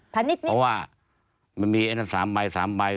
เพราะว่ามันมีไอ้นั่น๓ใบ๓ใบ